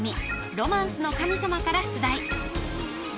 「ロマンスの神様」から出題